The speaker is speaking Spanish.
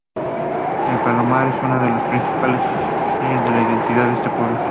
El Palomar: Es una de las principales señas de identidad de este pueblo.